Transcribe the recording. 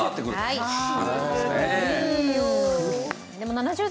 はい。